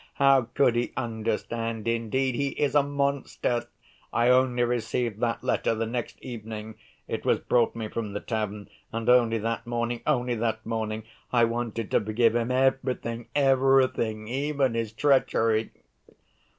How could he understand indeed? He is a monster! I only received that letter the next evening: it was brought me from the tavern—and only that morning, only that morning I wanted to forgive him everything, everything—even his treachery!"